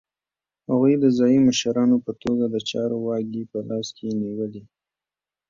هغوی د ځايي مشرانو په توګه د چارو واګې په لاس کې نیولې.